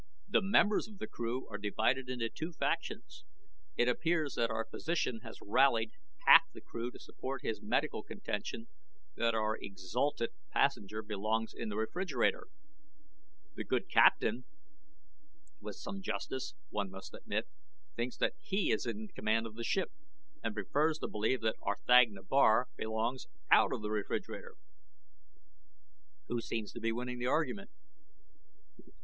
"The members of the crew are divided into two factions. It appears that our physician has rallied half the crew to support his medical contention that our exhalted passenger belongs in the refrigerator. The good captain, with some justice, one must admit, thinks that he is in command of the ship, and prefers to believe that R'thagna Bar belongs out of the refrigerator." "Who seems to be winning the argument?"